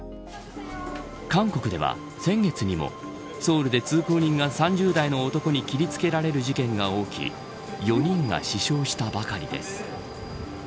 韓国では、先月にもソウルで通行人が３０代の男に切りつけられる事件が起き４人が死傷したばかりです。